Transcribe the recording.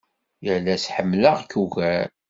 Yal ass ḥemmleɣ-k ugar.